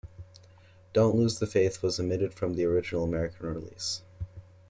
"Don't Lose The Faith" was omitted from the original American release.